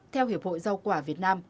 theo hiệp hội giao quả việt nam